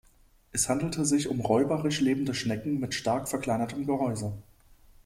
Es handelt sich um räuberisch lebende Schnecken mit stark verkleinertem Gehäuse.